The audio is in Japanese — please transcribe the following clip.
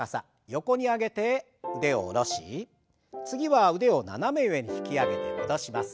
横に上げて腕を下ろし次は腕を斜め上に引き上げて戻します。